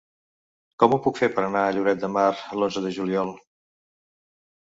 Com ho puc fer per anar a Lloret de Mar l'onze de juliol?